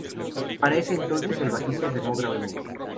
Para ese entonces, el bajista enfermó gravemente.